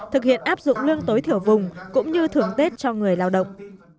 thực hiện áp dụng lương tối thiểu vùng cũng như thưởng tết cho người lao động